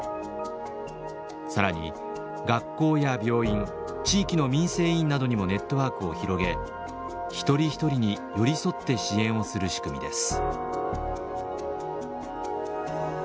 更に学校や病院地域の民生委員などにもネットワークを広げ一人一人に寄り添って支援をする仕組みです。